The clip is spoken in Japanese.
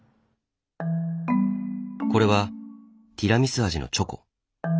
これはティラミス味のチョコ。